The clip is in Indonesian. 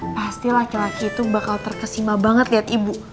pasti laki laki itu bakal terkesima banget lihat ibu